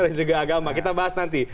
dan juga agama kita bahas nanti